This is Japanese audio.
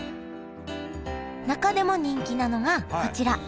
中でも人気なのがこちら。